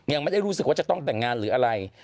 ยังไม่ได้รู้สึกว่าจะต้องแต่งงานหรืออะไร